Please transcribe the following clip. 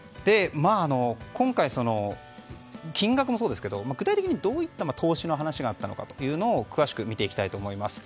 今回、金額もそうですけど具体的にどういった投資の話があったのか詳しく見ていきたいと思います。